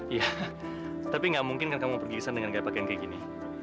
iya tapi gak mungkin kan kamu pergi ke sana dengan gaya pakaian kayak gini